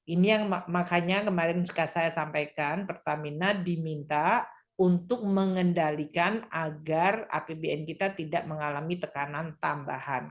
ini yang makanya kemarin jika saya sampaikan pertamina diminta untuk mengendalikan agar apbn kita tidak mengalami tekanan tambahan